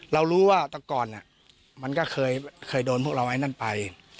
เรารู้ว่าแต่ก่อนมันก็เคยโดนพวกเราไอ้นั่นไป